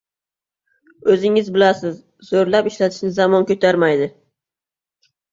O‘zingiz bilasiz, zo‘rlab ishlatishni zamon ko‘tarmaydi!